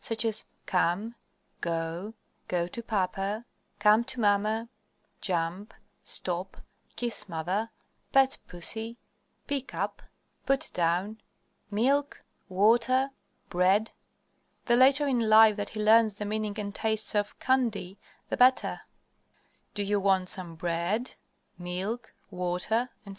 Such as "come," "go," "go to papa," "come to mamma," "jump," "stop," "kiss mother," "pet pussy," "pick up," "put down," "milk," "water," "bread" (the later in life that he learns the meaning and taste of "candy" the better), "do you want some bread?" "milk," "water," etc.